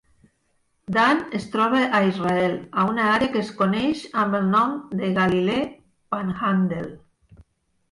Dan es troba a Israel, a una àrea que es coneix amb el nom de Galilee Panhandle.